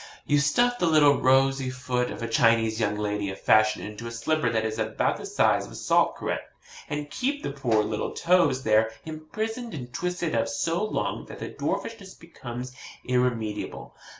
You stuff the little rosy foot of a Chinese young lady of fashion into a slipper that is about the size of a salt cruet, and keep the poor little toes there imprisoned and twisted up so long that the dwarfishness becomes irremediable.